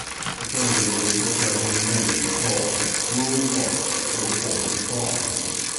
Alternatively the castle may be called Rule Water or Fulton Farm.